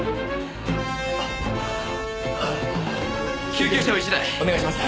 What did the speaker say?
救急車を１台お願いします。